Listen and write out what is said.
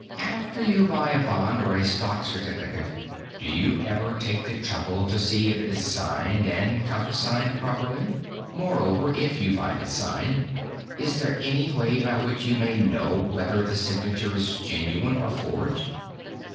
After you buy a bond or a stock certificate, do you ever take the trouble to see if it is signed and countersigned properly? Moreover, if you find it signed, is there any way by which you may know whether the signature is genuine or forged?"